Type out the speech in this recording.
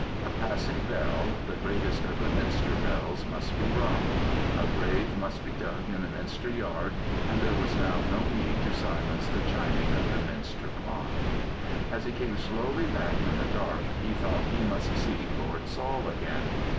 A passing bell, the greatest of the minster bells, must be rung, a grave must be dug in the minster yard, and there was now no need to silence the chiming of the minster clock. As he came slowly back in the dark, he thought he must see Lord Saul again.